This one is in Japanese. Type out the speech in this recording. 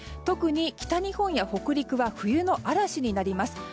特に北日本や北陸は冬の嵐になります。